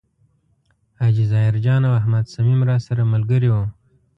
حاجي ظاهر جان او احمد صمیم راسره ملګري و.